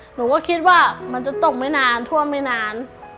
หนูก็คิดว่ามันจะตกไม่นานท่วมไม่นาน